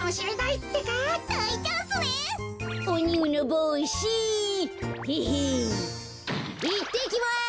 いってきます。